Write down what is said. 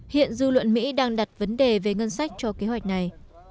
hiện dư luận mỹ đang đặt vấn đề về ngân sách cho kế hoạch này